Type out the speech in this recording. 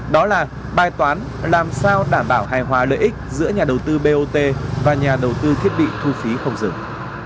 đó là bài toán làm sao đảm bảo hài hòa lợi ích giữa nhà đầu tư bot và nhà đầu tư thiết bị thu phí không dừng